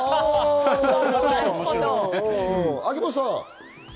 秋元さん。